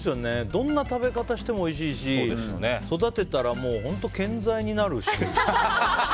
どんな食べ方してもおいしいし育てたら建材になるし。